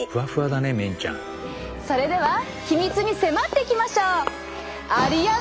それでは秘密に迫っていきましょう！